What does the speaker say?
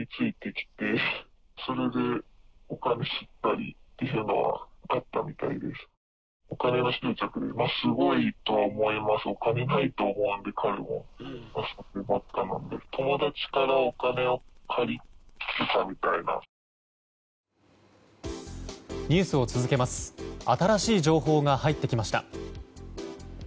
新しい情報が入ってきました。